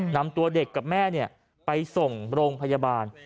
นำตัวเด็กกับแม่ไปส่งโรงพยาบาล